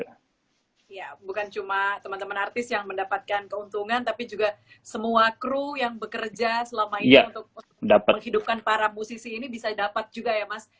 ya bukan cuma teman teman artis yang mendapatkan keuntungan tapi juga semua kru yang bekerja selama ini untuk menghidupkan para musisi ini bisa dapat juga ya mas